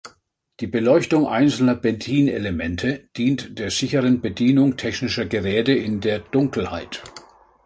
Die Beleuchtung einzelner Bedienelemente dient der sicheren Bedienung technischer Geräte in der Dunkelheit.